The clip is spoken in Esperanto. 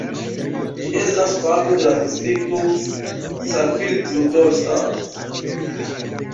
Ĝi estas parto de la distrikto Saalfeld-Rudolstadt.